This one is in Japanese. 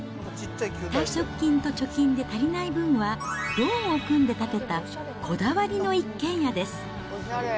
退職金と貯金で足りない分はローンを組んで建てた、こだわりの一軒家です。